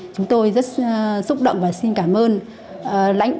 chúng tôi rất xúc động và xin cảm ơn